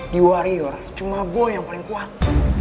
di wario cuma gue yang paling kuat